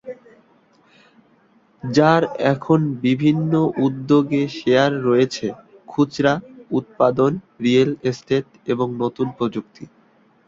যার এখন বিভিন্ন উদ্যোগে শেয়ার রয়েছে: খুচরা, উৎপাদন, রিয়েল এস্টেট এবং নতুন প্রযুক্তি।